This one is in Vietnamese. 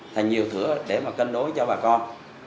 thành nhiều thửa để mà cân đối cho bà con